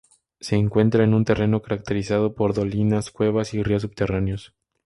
Se encuentra en un terreno caracterizado por dolinas, cuevas y ríos subterráneos.